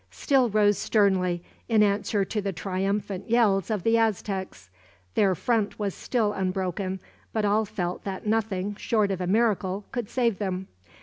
still rose sternly, in answer to the triumphant yells of the Aztecs. Their front was still unbroken, but all felt that nothing, short of a miracle, could save them.